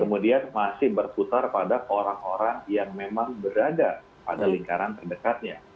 kemudian masih berputar pada orang orang yang memang berada pada lingkaran terdekatnya